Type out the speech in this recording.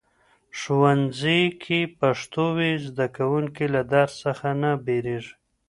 ښوونځي کې پښتو وي، زده کوونکي له درس څخه نه بیریږي.